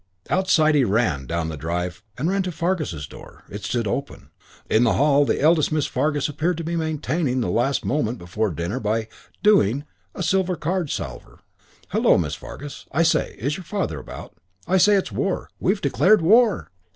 Outside he ran down the drive and ran to Fargus's door. It stood open. In the hall the eldest Miss Fargus appeared to be maintaining the last moment before dinner by "doing" a silver card salver. "Hullo, Miss Fargus. I say, is your father about? I say, it's war. We've declared war!"